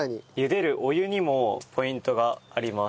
茹でるお湯にもポイントがあります。